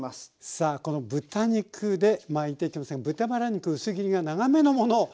さあこの豚肉で巻いていきますが豚バラ肉薄切りが長めのもの８枚。